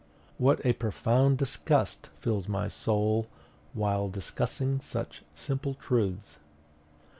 What a profound disgust fills my soul while discussing such simple truths!